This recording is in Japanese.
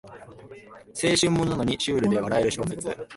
青春ものなのにシュールで笑える小説